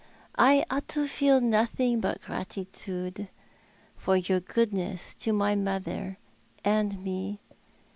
I ought to feel nothing but gratitude for your goodness to my mother and me.